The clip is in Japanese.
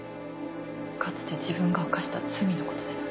かつて自分が犯した罪のことで。